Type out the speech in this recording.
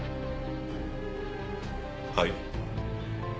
はい。